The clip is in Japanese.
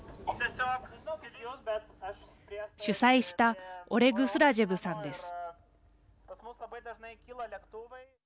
主催したオレグ・スラジェブさんです。